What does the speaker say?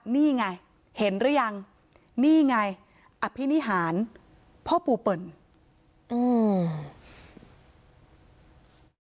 นี่ไงเห็นหรือยังนี่ไงอภินิหารพ่อปู่เปิ่นอืม